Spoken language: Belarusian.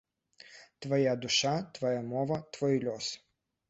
Твая душа, твая мова, твой лёс.